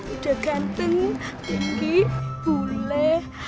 udah ganteng tinggi bule